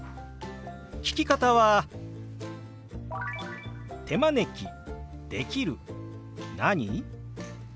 聞き方は「手招きできる何？」。